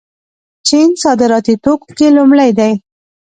چین صادراتي توکو کې لومړی دی.